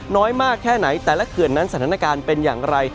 น้อยมากแค่ไหนแต่ละเขื่อนนั้นสถานการณ์เป็นอย่างไร